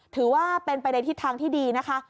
ถือว่าเป็นไปในทิศทางที่ดีนะคะ